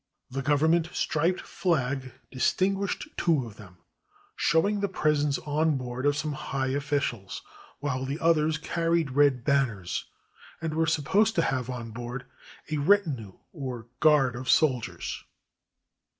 The govern ment striped flag distinguished two of them, showing the presence on board of some high officials, while the others carried red banners, and were supposed to have on board a retinue or guard of soldiers.